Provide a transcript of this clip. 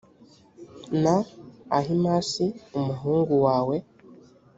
na ahimasi umuhungu wawe